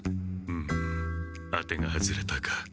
フム当てが外れたか。